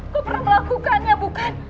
kau pernah melakukannya bukan